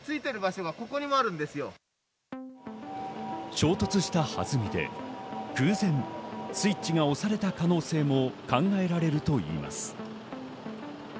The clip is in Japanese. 衝突したはずみで偶然スイッチが押された可能性も考えられるといいます。